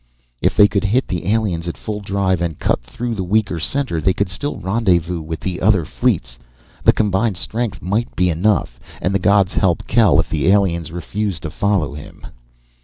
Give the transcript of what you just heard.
If they could hit the aliens at full drive and cut through the weaker center, they could still rendezvous with the other fleets. The combined strength might be enough. And the gods help Kel if the aliens refused to follow him!